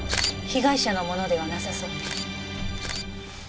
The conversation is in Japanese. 被害者のものではなさそうね。